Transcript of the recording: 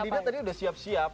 ini bandina tadi sudah siap siap